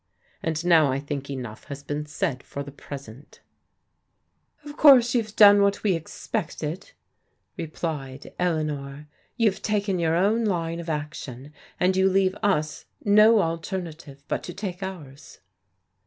And now I think enough has been said for the present." ''Of course you've done what >Ne e^^cted" replied THE BIGHT TO "LIVE THEIR LIVES" 57 Eleanor. You have taken your own line of action, and you leave us no alternative but to take ours."